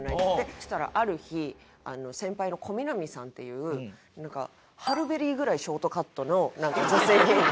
そしたらある日先輩のコミナミさんっていうハル・ベリーぐらいショートカットの女性芸人。